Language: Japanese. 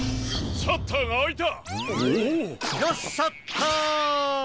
よっシャッター！